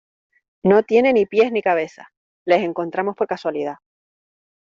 no tiene ni pies ni cabeza. les encontramos por casualidad .